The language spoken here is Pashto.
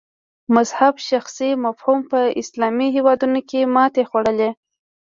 مذهب شخصي فهم په اسلامي هېوادونو کې ماتې خوړلې.